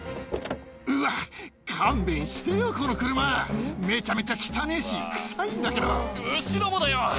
うわ、勘弁してよ、この車。めちゃめちゃきたねえし、臭いん後ろもだよ。